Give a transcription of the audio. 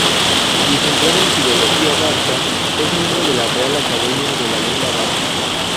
Licenciado en Filología Vasca, es miembro de la Real Academia de la Lengua Vasca.